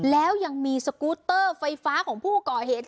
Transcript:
แล้วยังมีสกูตเตอร์ไฟฟ้าของผู้ก่อเหตุ